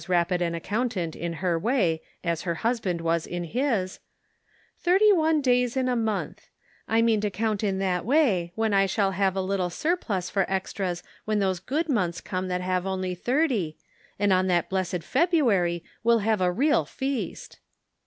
rapid an accountant, in her way, as her hus band was in his );" thirty one days in a month ; I mean to count in that way, then I shall have a little surplus for extras when those good months come that have only thirty, and on that blessed February we'll have a real feast!"